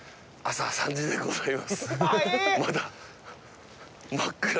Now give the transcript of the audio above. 朝３時でございます。